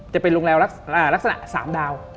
จะเป็นโรงแรมลักษณะ๓ดาว